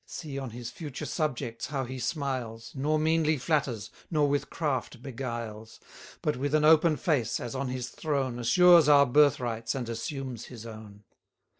See on his future subjects how he smiles, Nor meanly flatters, nor with craft beguiles; But with an open face, as on his throne, Assures our birthrights, and assumes his own.